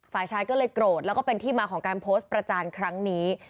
ฝ่ายชายก็เลยโกรธแล้วก็เป็นที่มาของการโพสต์ประจานครั้งนี้